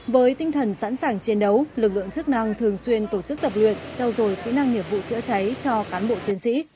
với tinh thần sẵn sàng chiến đấu lực lượng chức năng thường xuyên tổ chức tập luyện trao dồi kỹ năng nghiệp vụ chữa cháy cho cán bộ chiến sĩ